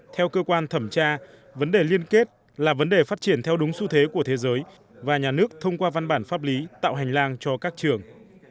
theo cơ quan thẩm tra vấn đề liên kết là vấn đề phát triển theo đúng xu thế của thế giới và nhà nước thông qua văn bản pháp lý tạo hành lang cho các trường